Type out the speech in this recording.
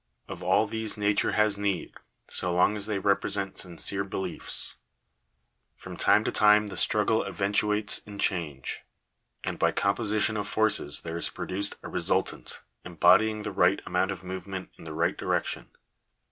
Of all these nature has need, so long as they repre sent sincere beliefs. From time to time the struggle eventuates in change ; and by composition of forces there is produced a resultant, embodying the right amount of movement in the right direction.